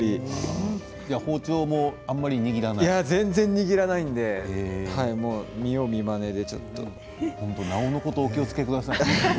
包丁も全然握らないのでなおのことお気をつけくださいね。